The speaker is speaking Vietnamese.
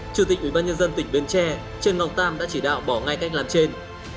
chủ tịch ubnd tỉnh bến tre trần ngọc tam đã chỉ đạo bỏ ngay cách làm trên